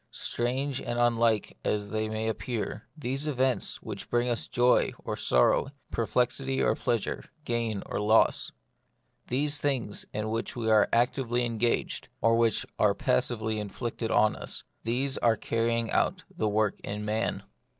Strange and unlike it as they may appear, these events which bring us joy or sorrow, perplexity or pleasure, gain or loss ; these things in which we are actively engaged, or which are passively inflicted on us ; these are the carrying out of this work in man.